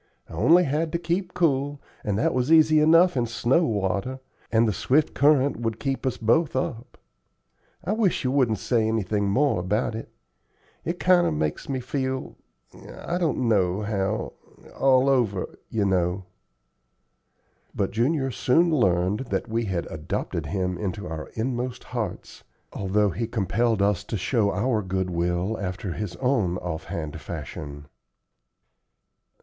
I only had to keep cool, and that was easy enough in snow water, and the swift current would keep us both up. I wish you wouldn't say anything more about it. It kinder makes me feel I don't know how all over, you know." But Junior soon learned that we had adopted him into our inmost hearts, although he compelled us to show our good will after his own off hand fashion.